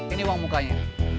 ini uang mukanya